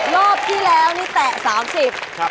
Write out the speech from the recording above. รอบที่แล้วนี่แตะ๓๐